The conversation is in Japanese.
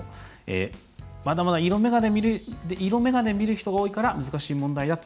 「まだまだ色メガネで見る人が多いから難しい問題だと。